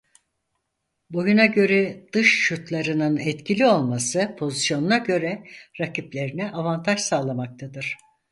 Boyuna göre dış şutlarının etkili olması pozisyonuna göre rakiplerine avantaj sağlamaktadır.